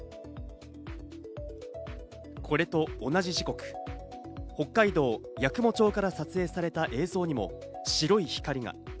これと同じ時刻、北海道・八雲町から撮影された映像にも白い光が。